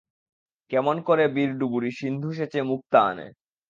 কেমন করে বীর ডুবুরি সিন্ধু সেঁচে মুক্তা আনে?